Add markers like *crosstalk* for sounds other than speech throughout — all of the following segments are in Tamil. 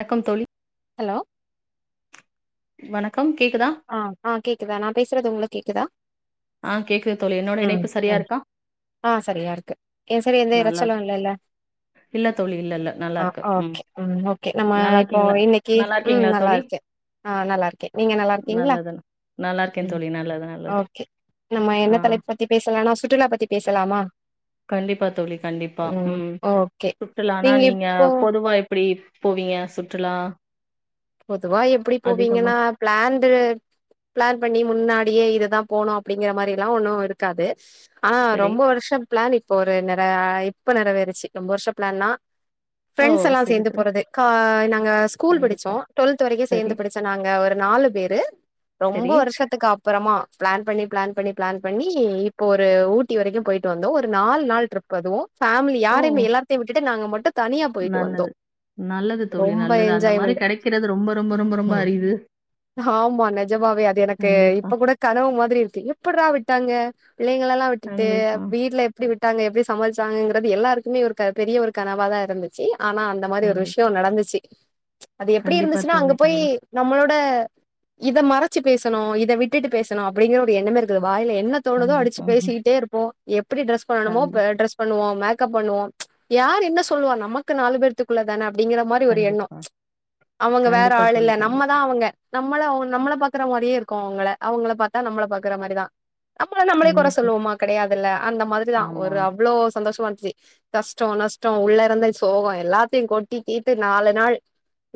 வண்க்கம் தோழி ஹலோ வணக்கம் கேக்குதா ஆ ஆ கேக்குதா நா பேசுறது உங்ளுக் கேக்குதா ஆ கேக்குது தோழி என்னோட ம் இணைப்பு சரியா ம் இருக்கா ஆ சரியா இருக்கு என் சைடு எந்த நல்லா இறச்சலு இருக்கு. இல்லல்ல இல்ல தோழி இல்ல இல்ல நல்லா அ இருக்கு அ ஓகே ம் ஓகே நம்ம நல்லா இப்போ இருக்கீங்களா இன்னைக்கு நல்லா ம் இருக்கீங்களா நல்லா தோழி இருக்கே ஆ நல்லா இருக்கே நீங்க நல்லாருக் நல்லது நல்லா இருக்கே தோழி நல்லது நல்லது ஓகே நம்ம என்ன ஆ தலைப்பு பத்தி பேசலானா சுற்றுலா பத்தி பேசலாமா கண்டிப்பா தோழி கண்டிப்பா ம் சுற்றுலனா நீங்க பொதுவா எப் ப்டி போவீங்க சுற்றுலா பொதுவா எப்டி அதிகமா போவீங்கன்னா பிளான்டு பிளான் பண்ணி முன்னாடியே இதுதா போனோ அப்டிங்கிற மாரில்லா ஒன்னு இருக்காது ஆனா சரி ரொம்ப வர்ஷோ பிளான் இப்ப ஒரு நெற இப்ப நெறவேறிச்சு ரொம்ப வர்ஷோ பிளான்னா ஓ ஃப்ரெண்ட்ஸ் எல்லா சரி சேந்து சரி போறது கா நாங்க ஸ்கூல் கண்டிப்பா படிச்சோ டுவெல்த் வரைக்கும் சரி சேந்து படி ச்சோ நாங்க ஒரு நாலு பேரு ரொம்ப சரி வருஷத் க்கு அப்றமா பிளான் பண்ணி பிளான் பண்ணி பிளான் பண்ணி இப்போ ஒரு ஊட்டி வரைக்கும் போய்ட்டு வந்தோ ஒரு நாலு நாள் ட்ரிப் அதுவும் ஃபேமிலி ஓ யார்யமே எல்லாத்தையு விட்டுட்டு நாங்க மட்டும் நல்லது நல்லது தோழி ரொம்ப நல்லது அந்த மாரி கெடைக்கிறது ரொம்ப ரொம்ப ரொம்ப ரொம்ப ம் அரிது ஆமா நெஜமாவே அது எனக்கு கண்டிப்பா இப்ப கூட கனவு மாதிரி இருக்கு எப்பிர்றா விட்டாங்க பிள்ளைங்களலா விட்டுட்டு கண்டிப்பா வீட்ல எப்டி விட்டாங்க எப்டி சமாளிச்சாங்கங்கிறது எல்லாருக்குமே ஒரு பெரிய ஒரு கனவா தா இருந்துச்சு ஆனா அந் இந்த மாரி ஒரு கண்டிப்பா விஷ்யோ நடந்துச்சி எப்டி கண்டிப்பா இருந்துஸ்ன்னா அங்க தோழி போய்யி நம்மளோட இத மறச்சு பேசனோ இத விட்டுட்டு பேசனோ அப்டிங்கிற ஒரு எண்ணமே இருக்காது வாய்ல என்ன தோணுதோ அடிச்சு கண்டிப்பா பேசிக்கிட்டே இருப்போம் எப்டி டிரெஸ் பண்ணனுமோ கண்டிப்பா கண்டி ப ட்ரெஸ் பண்ணுவோ மேக்கப் பண்ணுவோ யார் என்ன சொல்லுவா நமக்கு நாலு பேர்த்துக்குள்ள தானே அப்டிங்கற மாரி ஒரு எண்ணோ கண்டிப்பா அவங்க வேற கண்டிப்பா ஆள் தோழி இல்ல கண்டி நம்மதா அவங்க நம்மள அவங் நம்மள பாக்கற மாரியே இருக்கும் அவங்கள அவங்கள பாத்தா நம்மள பாக்குற மாரிதா அப்றோ நம்ளே கொற கண்டிப்பா சொல்லுவோமா கெடயாதுல்ல அந்த மாதிரிதா ஆமா ஒரு அவ்ளோ சந்தோஷமா இந்ச்சி கஷ்ட்டோ நஷ்ட்டோ உள்ளருந்த சோகோ எல்லாத்தையு கொட்டி தீத்து நாலு நாள்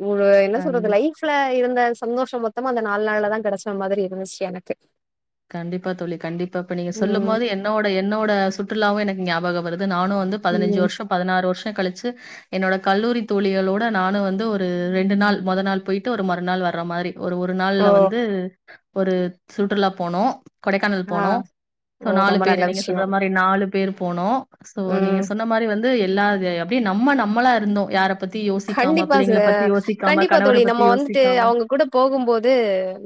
உங்க என்ன சொல்றது கண்டி லைஃப் ல இருந்த சந்தோஷ மொத்தமோ அந்த நால் நாள்லதா கெடச்ச மாதிரி இருந்துச்சு எனக்கு கண்டிப்பா தோழி கண்டிப்பா இப்ப நீங்க சொல்லும் ம் போது என்னோட என்னோட சுற்றுலாவு எனக்கு ஞாபகம் வருது நானு வந்து பதினஞ்சு ம் வர்ஷோ பதினாறு வர்ஷோ கழிச்சு என்னோட கல்லூரி தோழிகளோட நானும் வந்து ஒரு ரெண்டு நாள் மொத நாள் போயிட்டு ஒரு மறுநாள் வர்ற மாறி ஒரு ஒரு நாள்ல ஓ வந்து ஒரு சுற்றுலா போனோம் கொடைக்கானல் ஆ போனோ சோ ஓ நாலு ரொம்ப நல்ல பேரு நீங்க சொல்ற விஷயம் மாறி நாலு பேர் போனோ சோ நீங்க ம் சொன்ன மாதிரி வந்து எல்லா அப்படியே நம்ம நம்மளா இருந்தோம் யார பத்தி யோசிக்காம கண்டிப்பா ச பிள்ளைங்கள பத்தி யோசிக்காம கண்டிப்பா கணவர தோழி பத்தி நம்ம வந்துட்டு யோசிக்காம அவங்க கூட போகும்போது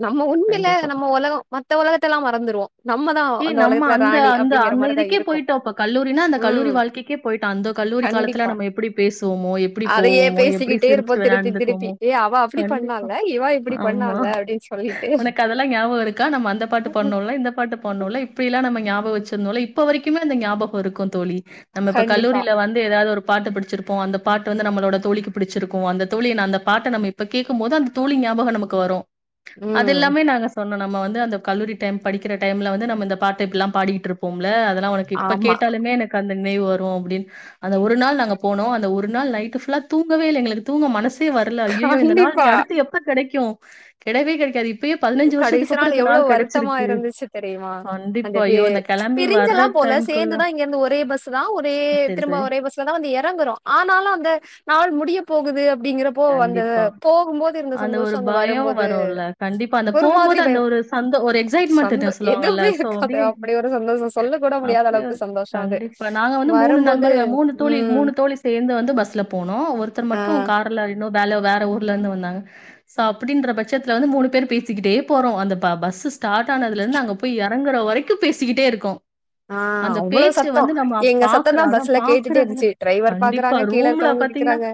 நம்ம உண்மைல கண்டிப்பா நம்ம உலகம் மத்த உலகத்தெல்லாம் மறந்துருவோம் நம்ம தான் ஏய் அந்த நம்ம உலகத்துல அந்த ராணி அந்த அப்படிங்கிற அந்த மாரிதான் இதுக்கே இருக்கும் போயிட்டோம் இப்ப கல்லூரினா அந்த கல்லூரி ம் வாழ்க்கை கே போயிட்டோ அந்த கல்லூரி காலத்துல கண்டிப்பா நம்ம எப்படி பேசுவோமோ எப்படி அதையே போவோமோ மோ எப்படி பேசிக்கிட்டே சிரிச்சு இருப்போம் திருப்பி திருப்பி விளாண்டுக்குவுமோ ஏ அவ அப்படி கண்டிப்பா பண்ணால இவ இப்படி ஆமா பண்ணால அப்படின்னு சொல்லிட்டு உனக்கு அதெல்லாம் ஞாபகம் இருக்கா நம்ம அந்த பா பாட்டு பாடுனோல இந்த பாட்டு பாடுனோல இப்படியெல்லாம் நம்ம ஞாபகம் வச்சிருந்தோ இப்ப வரைக்குமே அந்த ஞாபகம் இருக்கும் தோழி நம்ம இப்ப கண்டிப்பா கல்லூரில வந்து வந்து எதாது ஒரு பாட்டு படிச்சிருப்போம் அந்த பாட்டு வந்து நம்மோலட தோழிக்கு பிடிச்சிருக்கும் அந்த தோழி அந்த பாட்டை நம் இப்ப கேக்கும் போது அந்த தோழி ஞாபகம் நமக்கு வரும் அது ம் எல்லாமே நாங்க சொன்னோம் நம்ம வந்து அந்த கல்லூரி டைம் படிக்கிற டைம்ல வந்து நம்ம இந்த பாட்டு இப்படிலா பாடிட்டு இருப்போம்ல்ல அதெல்லாம் உனக்கு இப்ப கேட்டால் ஆமா கேட்டாலுமே எனக்கு அந்த நினைவு வரும் அப்படின்னு அந்த ஒரு நாள் நாங்க போனோம் அந்த ஒரு நாள் நைட் ஃபுல்லா தூங்கவே இல்ல எங்களுக்கு தூங்க மனசு சே வரல ஐய்யய்யோ இந்த நாள் கண்டிப்பா இனி அடுத்து எப்ப கிடைக்கும் கெடையவே கிடைக்காது இப்ப இப்பயே பதினைஞ்சு வருஷத்துக்கு கடைசி அப்பறம் இந்த எவ்ளோ நாள் வருத்தமா கிடைச்சிருக்கு. இருந்துச்சு தெரியுமா அந்த கண்டிப்பா. பி ஐயோ! ம நான் கிளம்பி வர்ற பிரிஞ்செல்லாம் போல டைம்க்குள்ள சேந்துதுதா இங்கருந்து ஒரே பஸ் தா ஒரே சரி, திரும்ப சரி. ஒரே பஸ்ல தா வந்து இறங்கறோம் ஆனாலும் அந்த நாள் முடிய போகுது அப்படிங்கற போ வந்தது கண்டிப்பா. போகும்போது இருந்த ஒரு சந்தோஷம் அந்த பயம் வரும்போது வரும்ல. கண்டிப்பா அந்த ஒரு மாதிரி போம்போது பய அந்த ஒரு சந்த ஒரு சந்தோ எக்சைட்மெண்ட்ன்னு சொல்லுவாங்கல்ல எதுவுமே சோ இருக்காது அப்படியே அப்டி ஒரு சந்தோஷோ சொல்ல கூட முடியாத அப்படிய அளவுக்கு சந்தோஷோ அது கண்டிப்பா நாங்க வந்து மூணு வரும்போது நண்பர்கள் மூணு தோழி ம் மூணு தோழி சேந்து வந்து பஸ்ல போனோம் ஒருத்தர் மட்டும் கார்ல இன்னும் வேற வேற ஊர்லருந்து வந்தாங்க சோ அப்படின்ற பட்சத்தில்ல வந்து மூணு பேரும் பேசிக்கிட்டே போறோம் அந்த ப பஸ்ஸு ஸ்டார்ட் ஆனதுலர்ந்து அங்க போ போய் எறங்கற வரைக்கும் பேசிக்கிட்டே இருக்கோ ஆ அந்த அவ்ளோ பேச்சு சத்தோ வந்து நம்ம எங்க சத்தந்தா பாக்கறாள பஸ்ல கேட்டுட்டே பாக்கறதுல இருந்துச்சு டிரைவர் பாக்குறாங்க கீழ இருக்கவங்க கேக்குறாங்க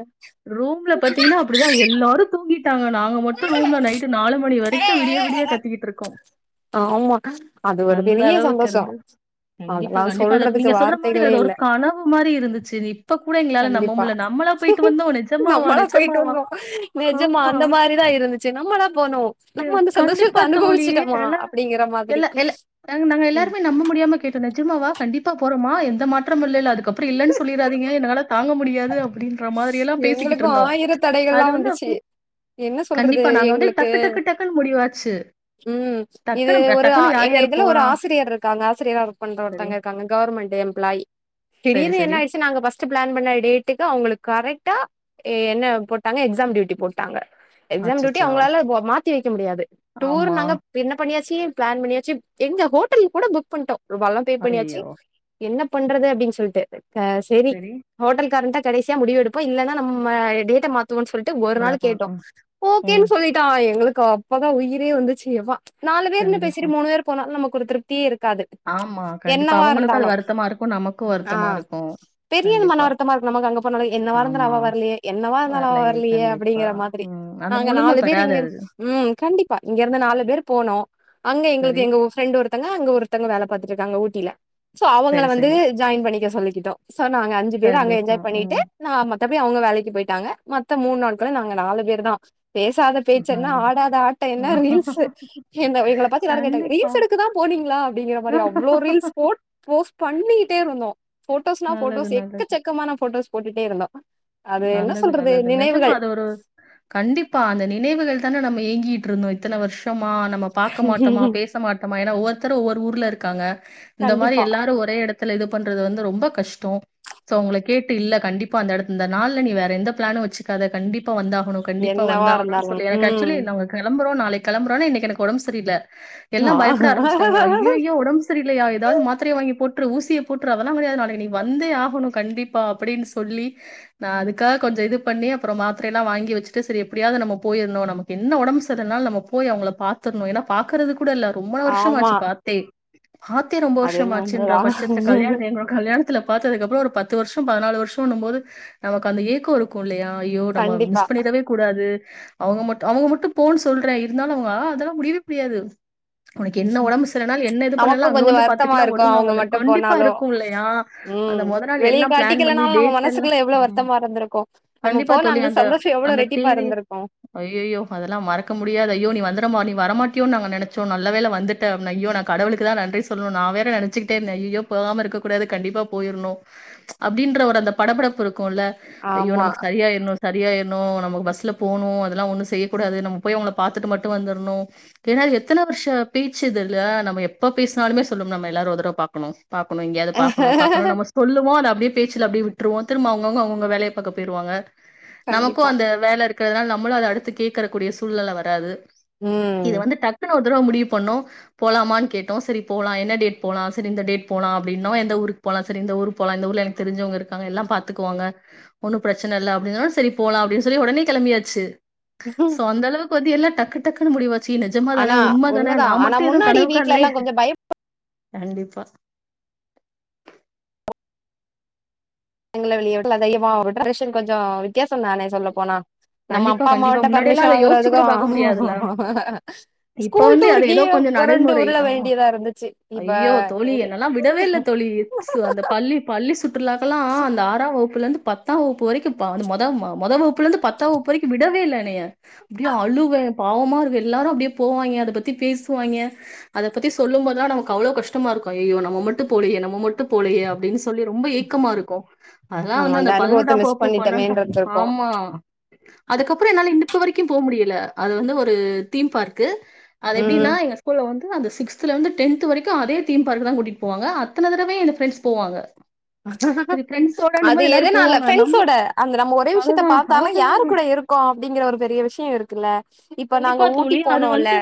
ரூம்ல பாத்தீங்கன்னா அப்படிதான் எல்லாரும் தூங்கிட்டாங்க நாங்க மட்டும் ரூம்ல நைட் நாலு மணி வரைக்கும் விடிய விடிய கத்திகிட்டு இருக்கோ ஆமா அது ஒரு பெரிய அளவுக்கு இருந்து சந்தோஷம் கண்டிப்பா கண்டிப்பா அத நீங்க சொல்ற மாதிரி அது ஒரு இல்ல கனவு மாதிரி இருந்துச்சு இப்ப கூட எங்களால நம்ப கண்டிப்பா முடில நம்மளா போயட்டு வந்தோ நெஜ நம்மளா போயிட்டு வந்தோம் நிஜமா ஆமா. அந்த மாதிரிதான் இருந்துச்சு நம்மளா போனோ நம்ம அந்த சந்தோஷத்த கண்டிப்பா தோழி அனுபவிச்சுட்டோமா எல்ல அப்டிங்கிற மாதிரி எல்ல எல்ல நாங்க ம் எல்லாருமே நம்ப முடியாம கேட்டோ நிஜமாவா கண்டிப்பா போறோமா எந்த மாற்றம் இல்லல்ல அதுக்கப்புறம் இல்லன்னு சொல்லிடாதீங்க என்னால தாங்க முடியாது அப்படின்ற மாதிரியெல்லா பேசிக்கிட்டு எங்களுக்கு இருந்தோம் ஆயிர அது தடைகள்லா வந்து வந்துச்சு அப்படி என்ன சொல்றது கண்டிப்பா நாங்க வந்து எங்களுக்கு டக் டக்கு டக்கு டக்குனு முடிவாச்சு ம் இது டக்குனு ஒரு டக்குனு யார் எங்க யார் இதுல ஒரு போலாம்? ஆசிரியர் இருக்காங்க ஆசிரியரா ஒர்க் பண்ற சரி, ஒருத்தங்க இருக்காங்க கவர்மெண்ட் எம்ப்ளாயி சரி, திடீர்னு சரி. என்னாய்டுச்சு நாங்க பஸ் ஃபர்ஸ்ட் பிளான் பண்ண டேட்டுக்கு அவங்களுக்கு கரெக்ட்டா என்ன போட்டாங்க எக்ஸாம் டியூட்டி போட்டாங்க எக்ஸாம் டியூட்டி அச்சச்சோ! அவங்களால மாத்தி வைக்க முடியாது டூர் ஆமா. நாங்க இப்ப என்ன பண்ணியாச்சி பிளான் பண்ணியாச்சு எங்க ஹோட்டல் கூட புக் பண்ட்டோம் ரூவால்லா பே பண்ணியாச்சி ஐயய்யோ! என்ன பண்றது அப்படின்னு சொல்லிட்டு சரி ஹோட்டலகாரன்ட்டா கடைசி க்க முடிவு எடுப்போ இல்லன்னா நம்ம டேட்ட மாத்துவோனு சொல்ட்டு ஒரு நாள் மறக்காம. கேட்டோ ம். ஓகேன்னு சொல்லிட் டா எங்களுக்கு அப்பதா உயிரே வந்துச்சு யப்பா நாலு பேருன்னு கண்டிப்பா பேசிட்டு மூணு பேர் போனாலு நமக்கு ஒரு திருப்தியே இருக் ஆமா கண்டிப்பா அவங்களுக்கு அது வருத்தமா இருக்கு நமக்கு வருத்தமா இருக்கு பெரியது மனவருத்தமா இருக்கு நமக்கு அங்க போனா எ என்னவா இருந்தாலு ஆமா. அவ வரலையே என்னவா இருந்தாலு அவ வரலையே கண்டிப்பா. அப்டிங்கிற மாதிரி ம். அந்த நாங்க முழுமை நாலு பேர் பெறாது இங்கிரு அது. ம் கண்டிப்பா இங்க இருந்து நாலு பேர் போனோ அங்க சரி. எங்களுக்கு எங்க ஃப்ரெண்ட் ஒருத்தங்க அங்க ஒருத்தங்க வேல பாத்திட்டுருக்காங்க ஊட்டில சோ அவங்கல சரி, வந்து சரி. ஜாயின் பண்ணிக்க சொல்லிக்கிட்டோ சோ நாங்க அஞ்சு பேர் அங்க சந்தோஷம். எஞ்ஜாய் பண்ணிட்டு ம். நா மத்தபடி அவங்க வேலைக்கு போயிட்டாங்க மொத்த மூணு நாட்களு நாங்க நாலு பேர்தா பேசாத பேச்சென்ன நல்லது. ஆடாத ஆட்டோ என்ன ரீல்ஸ் எங்க எங்கள பாத்து எல்லாரு கேட்டாங்க கண்டிப்பா. ரீல்ஸ் எடு க்கதா போனீங்களா அப்டிங்கிற மாரி அவ்ளோ ரீல்ஸ் போட் போஸ்ட் பண்ணிட்டே இருந்தோ போட்டோஸ்னா நல்லது, போட்டோஸ் நல்லது. எக்கச்சக்கமான போட்டோஸ் போட்டுட்டே இருந்தோ அது என்ன நல்லது சொல்றது நல்லது நெஜமா நினைவுகள் அது ஒரு கண்டிப்பா அந்த நினைவுகள் தான நம்ம ஏங்கிட்டுருந்தோ இத்தன வர்ஷமா நம்ம பாக்க மாட்டோமா பேச மாட்டமா ஏனா ஒவ்வொருத்தரு ஒவ்வொரு ஊர்ல இருக்காங்க இந்த மாரி கண்டிப்பா எல்லாரு ஒரே எடத் துல இது பண்றது வந்து ரொம்ப கஷ்டோ சோ அவங்கள கேட்டு இல்ல கண்டிப்பா அந்த எடத் இந்த நாள்ல நீ வேற எந்த பிளானு வச்சுக்காத கண்டிப்பா வந்தாகணு கண்டிப்பா என்னவா வந்தாகணுனு இருந்தாலும் சொல்லி எனக்கு ஆக்சுலி ம் நா உங்க கெளம்பறோ நாளைக் கெளம்பறோன்னா இன்னைக்கு எனக்கு ஒடம் செரியில்ல எல்லா ஆ பயப்பட ஆரம்மிச்சுட்டாங்க ஐயையோ ஒடம்பு செ செரில்லையா எதாவ்து மாத்தரைய வாங்கி போற்று ஊசிய போற்று அதெல்லா முடியாது நாளைக்கு நீ வந்தே ஆகணு கண்டிப்பா அப்டின்னு சொல்லி நா அதுக்காக கொஞ்சோ இது பண்ணி அப்றோ மாத்தர எல்லா வாங்கி வெச்சுட்டு சரி எப்டியாது நம்ம போயிரணு நமக் கென்ன ஒடம்பு சர்லனாலு நம்ம போய் அவங்கள பாத்தரணு ஏனா பாக்குறது கூட இல்ல ரொம்போன வருஷோ ஆமா ஆச்சு பாத்தே பாத்தே ரொம்பொ அது வருஷோமாச்சுன்ற என்னதா பட்சத்துல கல்யாணத்த எங்க கல்யாணத்துல பாத்ததுக்கப்றோ ஒரு பத்து வர்ஷோ பதினாலு வர்ஷோனும்போது நமக்கு அந்த ஏக்கோ இருக் கு இல்லயா ஐயோ நம்ம கண்டிப்பா மிஸ் பண்ணிறவே கூடாது அவங்க மட்டு அவங்க மட்டு போனு சொல்ற இருந்தாலு வா அதெல்லா முடியவே முடியாது ஒனக்கு என்ன ஒடம்பு சர்லனாலு என்ன இது பண்ணாலு நமக்கு அங்க கொஞ்சோ வந்து வருத்தமா பாத்துக்கலா இருக்கு ஒழுங்கா அவங்க வந்துரு மட்டு கண்டிப்பா போனாலு இருக்கு இல்லையா அந்த மொத நாள் எல்லா பிளான் பண்ணி டேட்டெல் ல்ல எவ்ளோ வருத்தமா இருந்துருக்கு நம்ம போன அந்த சந்தோஷோ எவ்ளோ ரெட்டிப்பா இருந்துருக்கு ஐய்யயோ அதெல்லா மறக்க முடியாது ஐயோ நீ வந்துடமா நீ வர மாட்டீயோனு நாங்க நெனச்சோ நல்ல வேல வந்துட்டு ட்ட அப்ன ஐயோ நா கடவுளுக்குதா நன்றி சொல்லணு நா வேற நெனைச்சுக்கிட்டே இருந்த ஐயயோ போகாம இருக்ககூடாது கண்டிப்பா போய்ரணு அப்டின்ற ஒரு அந்த படபடப்பு இருக்குல்ல ஐயோ ஆமா நமக்கு சரியா ஆயிரணு சரியாயிரனு நமக்கு பஸ்ல போணு அதெல்லா ஒன்னு செய்யக்கூடாது நம்ம போய் அவங்கள பாத்துட்டு மட்டு வந்தர்ணு ஏனா எத்தன வருஷோ பேச்சு இதெலா நம்ம எப்போ பேசுனாலுமே சொல்வோம்ல நம்ம எல்லாரு ஒரு தடவ பாக்கணு பாக்குணு எங்கியாது பாக்கணு பாக்கணு‌ நம்ம சொல்லுவோ ஆனா அப்டியே பேச்சுல அப்டி விட் ருவோ திரும்ப அவங்கவ்ங்க அவங்கவ்ங்க வேலய பாக்க போய்ருவாங்க நமக்கு கண்டிப்பா அந்த வேல இருக் கதனால நம்முளு அத அடுத்து கேக்கர கூடிய சூழ்நெல வராது ம் இது வந்து டக்குனு ஒரு தடவ முடிவு பண்ணோ போலாமானு கேட்டோ சரி போலா‌ என்ன டேட் போலா சரி இந்த டேட் போலா அப்டின்னோ எந்த ஊரு போலா சரி இந்த ஊரு போல இந்த ஊர்ல எனக்கு தெரிஞ்சவங்கருக் காங்க எல்லா பாத்துக்குவாங்க ஒன்னு பிரச்சன இல்ல அப்டினோன சரி போலா அப்டின்னு சொல்லி ஒடனே கெளம்பியாச்சு சோ அந்த அளவுக்கு வந்து எல்லா டக்கு டக்குன்னு முடிவாச் சு நிஜமாதான ஆனா உண்மதான உண்மதா நா ஆனா மட்டு எதுவு முன்னாடி வீட்ல கனவுக்காண்லயே எல்லா கொஞ்சோ பயப் கண்டிப்பா எங்கள வெளியே விட *unintelligible* கொஞ்சொ வித்தியாசோந்தானே சொல்ல போனா நம்ம கண்டிப்பா அப்பா கண்டிப்பா அம்மாட்ட முன்னாடியெல்லா பர்மிஷன் அத யோசிச்சு வாங்குறதுக்கு கூட பாக்க முடியாதுல்ல இப்ப ஸ்கூல் வந்து அது டூருக்கெ ஏதோ கொஞ்ச கொறண்டு நடைமுறை உருள ஆமா வேண்டியதா இருந்துச்சு இப்ப சரி ஸ் அந்த பள்ளி, பள்ளி சுற்றுலாக்கலா அந்த ஆறா வகுப்புல இந்து பத்தா வகுப்பு வரைக்கு ப மொத மொத வகுப்புல இந்து பத் தா வகுப்பு வரைக்கு விடவே இல்ல எனய அப்டியே அழுவ, பாவமா இருக்கு எல்லாரு அப்டியே போவாய்ங்க அத பத்தி பேசுவாய்ங்க, அத, பத்தி சொல்லும்போது நமக்கு அவ்ளோ கஷ்டமா இருக்கு. ஐய்யயோ நம்ம மட்டு போலியே நம்ம ம ட்டு போலயே அப்டின் சொல்லி ரொம்ப ஏக்கமா இருக்கு அதெல்லா, நம்ம வந்து அந்த அனுபவத்த பதுனொண்டா மிஸ் பகுப்பு பன்னெண்டா பண்ணிட்டோமேன்ருந்திருக்கோ ஆம்மா! அதுக்கப்றோ என்னால இப்பவரைக்கு போ முடியல, அது வந்து ஒரு தீம் பார்க்கு அது எப்டின்னா? ம் எங்க அப்போலா, வந்து அந்த சிக்ஸ்த்ல இந்து டென்த் வரைக்கு அதே தீம் பார்க்தா கூட்டிட்டு போவாங்க அத்தன தடவையு எங்க ஃப்ரெண்ட்ஸ் போவாங்க. சரி அது ஃப்ரெண்ட்ஸோடன்னும்போது எல்லாரும் எதனால? போவாங்க. நம்ம ஃப்ரெண்ஸோட அந்த நம்ம ஒரே விஷயத்த அதுதான் பாத்தாலே, யாரு அதுதான். கூட இருக்கோ? அப்டிங்கற ஒரு பெரிய விஷ்யோ இருக்குல்ல. இப்ப நாங்க கண்டிப்பா ஊட்டி தோழி. அது போனோல்ல வந்து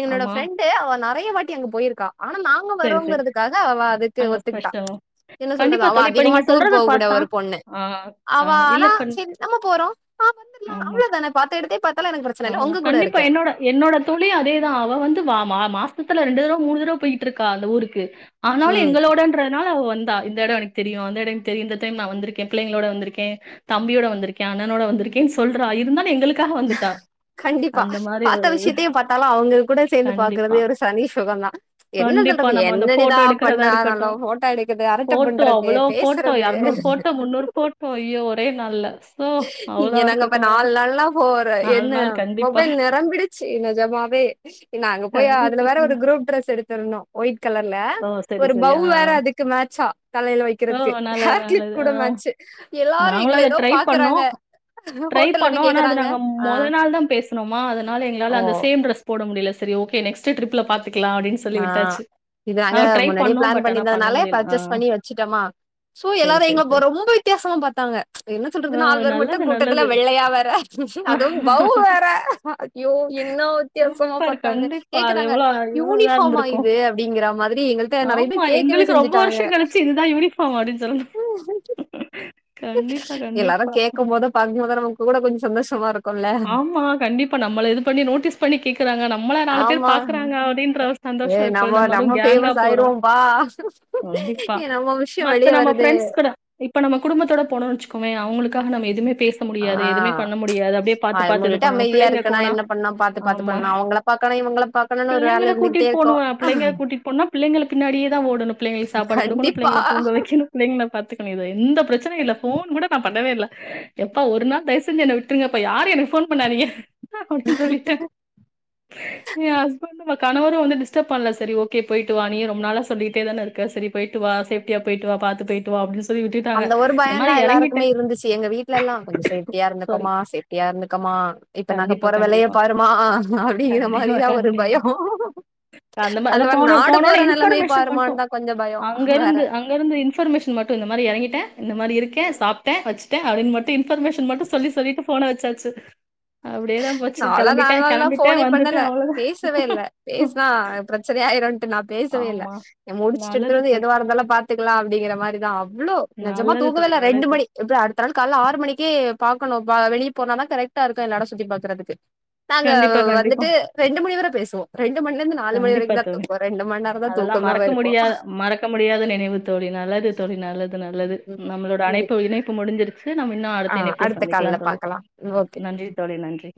என்னோட ஆமா. ஃப்ரெண்ட், டு அவ நறயா வாட்டி அங்க போயிருக்கா. ஆனா நாங்க சரி, சரி. வரோங்கறதுக்காக அவ அது, அங்க ஸ்பெஷல் கண்டிப் அவ அதிகமா டூர் போகக்கூடய ஒரு பொண்ணு. அவ ஆ இல்ல ஆனா இப்ப சரி நம்ம போறோ ஹா வந்தர்லா ஆமா. அவ்ளோ தான நா பாத்த எடுத்தயே பாத்தாலு, எனக்கு பிரச்சன இல்ல ஒங்க அவ்வளதான். கூட கண்டிப்பா இருக்க. என்னோட என்னோட தொழி அதேதா, அவ வந்து வா மா மாசத்துல ரெண்டு தடவ, மூணு தடவ போயிட்டு இருக்கா அந்த ஊருக்கு. ஆனாலு ம் எங்களோடன் றனால அவ வந்தா இந்த எடோ எனக்கு தெரியு அந்த எடோ எனக்கு தெரியு இந்த டைம் நா வந்திருக்கே பிள்ளைங்ளோட வந்திருக்கே தம்பியோட வந்திருக்கே அண்ணனோட வந்திருக்கே சொல்றா இருந்தாலு எங்களுக்காக வந்துட்டா கண்டிப்பா அந்த மாரி பாத்த ஒரு இது. விஷ்யத்தையு பாத்தாலு அவுங்க கூட சேந்து கண்டிப்பா. பாக்கறதே ஒரு தனி சுகோந்தா என்ன கண்டிப்பா. சொல்றது நம்ம அந்த என்னடிதா ஃபோட்டோ எடுக்கிறதா பண்ணா நல்லா இருக்கட்டும். ஃபோட்டோ எடுக்குது அரட்ட பண்றது பேசறது டோ முன்னூறு ஃபோட்டோ அய்யோ ஒரே நாள்ல ஸோ இங்க அவ்வளோ நாங்க அப்ப இருக்கட்டும். நால் நாள்னா போறோ என் ன நாள் கண்டிப்பா. மொபைல் நெரம்பிடுச்சு எ நெஜமாவே நாங்க போய் அதுல கண்டிப்பா, வேற ஒரு கண்டிப்பா. குரூப் ட்ரெஸ் எடுத்திருந்தோ ஒயிட் கலர்ல ஓ! சரி, ஒரு சரி. பவ் ஆ, வேற ஆ. அதுக்கு மேட்சா தலைல ஓ! வக்கறதுக்கு நல்லது, ஹேர்க்ளிப் நல்லது. கூட ஆ மேட்ச்சு எல்லாரு நாங்களும் அத எங்களைதா ட்ரை பாக்கறாங்க பண்ணோம். ஹோட்டல்ல போய் கேக்கறாங்க அ அதனால்தா பேசுணோமா அதனால எங்களால அந்த சேம் ட்ரெஸ் போட முடில சரி ஓக்கே நெக்ஸ்ட் ட்ரிப்ல பாத்துக்கலா அப்டின் ஆ இது நாங்க முன்னாடியே பிளான் பட் ஆனா பண்ண பண்ணீந்ததுனால முடியல. ஆ. பர்ச்சேஸ் பண்ணி வச்சுட்டமா சோ சரி, எல்லாரு சரி, சரி. எங்கப்போறோ ரொம்ப வித்யாசமா பாத்தாங்க என்ன ஓ! சொல்றதுனா நால் வேர் மட்டு நல்லது, கூட்டத்துல நல்லது. வெள்ளையா வேற அதும் பவ் வேற ஐயோ என்னா வித்யாசமா சூப்பர் பாத்தாங்க கண்டிப்பா. அது கேக்கறாங்க எவ்வளோ எவ்வளோ இதா யூனிஃப் பாமா இருந்திருக்கும். இது அப்டீங்கிற மாதிரி எங்கள்ட்ட நெறைய ஆமா. பேர் கேக்கவே செஞ்சுட்டாங்க ஆமா அடீன் சொல்ணு எல்லாரு கேக்கம்போது பாக்கும்போது நமக்கு கூட கொஞ்சோ சந்தோஷமா இருக் ஆமா கண்டிப்பா நம்மள இது பண்ணி நோட்டீஸ் பண்ணி கேக்குறாங்க நம்மள நாலு பேர் ஆமா பாக்குறாங்க அப்டின்ற ஏ சந்தோஷோ இருக்குல் நம்ம அதூ கேங்கா ஃபேமஸ் போறோ ஆயிருவோம்பா கண்டிப்பா ஏ நம்ம விஷயோ மத்த வெளிய நம்ம வருது ஃப்ரெண்ட்ஸ் கூட இப்ப நம்ம குடும்பத்தோட போனோன் வச்சுக்கோவே அவளுக்காக நம்ம எதுமே பேச ஆ முடியாது எதுமே பண்ண முடியாது அப்டே பாத்து வாய பாத்து இது மூடிட்டு பண்ணணு அமைதியா பிள்ளைங்க இருக்கனா கோனா என்ன பண்ணா பாத்து பாத்து ஆமா பண்ணா அவங்கள பாக்கணு இவங்கள பாக்கணும்னு ஒரு பிள்ளைங்கள வேல கூட்டிட் இருந்துகிட்டே போனு இருக்கு அ பிள்ளைங்க கூட்டிட் போன்னா பிள்ளைகளுக் பின்னாடியேதா ஓடனு பிள்ளைங்களுக் சாப்பாடு குடுக்கணு கண்டிப்பா பிள்ளைங்கள தூங்க வைக்க ணு பிள்ளைங்கள பாத்துக்கணு இது எந்த பிரச்சனயு இல்ல ஃபோன் கூட நா பண்ணவே இல்ல எப்பா ஒரு நாள் தய்வு செஞ்சு என்ன விட்ருங்கப்பா யா ரு எனக்கு ஃபோன் பண்ணாதீங்க அப்டி சொல்லிட்ட ஏ ஹஸ்பண்ட் ம கணவரு வந்து டிஸ்டப் பண்ல செரி ஓக்கே போயிட்டு வா நீயு ரொம்ப நாளா சொல்லிட்டே தான இருக்க செரி போய்ட்டு வா சேஃப்ட்டியா போயிட்டு வா பாத்து போய்ட்டு வா அப்டின் அந்த ஒரு பயோந்தா எல்லாருக்குமே இருந்துச்சு எங்க வீட்ல எல்லா கொஞ்சோ சேஃப்டியா சாரி இருந்துக்கோமா சேஃப் டியா இருந்துக்கம்மா இப்ப நாக கண்டிப்பா போற வெலய கண்டிப்பா பாருமா அப்டீங்கிற கண்டிப்பா மாரிதா ஒரு கண்டிப்பா பயோ அந்த மாதா அதுல வேற போன நாடு போனோனே போற நெலமைய இன்ஃபர்மேஷன் மட்டு பாருமான்தா கொஞ்சோ பயோ அங்க வேற இருந்து அங் லஇருந்து இன்ஃபர்மேஷன் மட்டு இந்த மாரி எறங்கிட்ட இந்த மாரி இருக்க சாப்ட்ட வச்சுட்டுட்ட அப்டின் மட்டு இன்ஃபர்மேஷன் மட்டு சொல்லி சொல்லீட்டு ஃபோன வச்சாச்சு அப்டேதா போச்சு நாலா கெளம்பிட்ட நாலு நாள்லா கெளம்பிட்ட ஃபோனே வந்துட்ட பண்ணல அவ்ளோதா சரியாயிருன்ட்டு நா பேசவே இல்ல ஆமா எ முடிச்ட்டு எடுத்துட்டு நல்லது வந்து தோழி எதுவா இருந்தாலு பாத்துக்கலா அப்டிங்கிற மாரிதா அவ்ளோ நெஜமா நல்லது தூங்கவே தோழி இல்ல ரெண்டு நல்லது தோழி மணி எப்டியு அடுத்த நாள் கால்ல ஆறு மணிக்கே பாக்கணு பா வெளீ போனாதா கரெக்டா இருக்கு எல்லா எடோ சுத்தி பாக்கறதுக்கு நாங்க கண்டிப்பா கண்டிப்பா வந்துட்டு ரெண்டு மணி வர பேசுவோ ரெண்டு மணிலிந்து நாலு மணி கண்டிப்பா வரைக்குந்தா தோழி தூக்கோ ரெண்டு மண்நேரந்தா தூக்கமாவே இருக்கு க்க முடியாத நினைவு தோழி நல்லது தோழி நல்லது நல்லது ம் நம்மளோட சரி அணைப்பு இணைப்பு முடிஞ்சிரு சேர் நம்ம இன்னு அடுத்த ஆ இணைப்புல சந்திக்கலா கால்ல தோழி பாக்கலா ஓகே நன்றி தோழி நன்றி